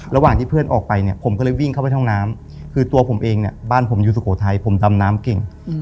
ระหว่างที่เพื่อนออกไปเนี่ยผมก็เลยวิ่งเข้าไปห้องน้ำคือตัวผมเองเนี่ยบ้านผมอยู่สุโขทัยผมดำน้ำเก่ง